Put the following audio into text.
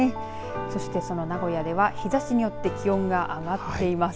そして、その名古屋では日ざしによって気温が上がっています。